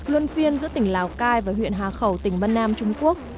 luân phiên giữa tỉnh lào cai và huyện hà khẩu tỉnh vân nam trung quốc